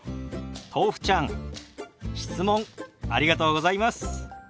とうふちゃん質問ありがとうございます。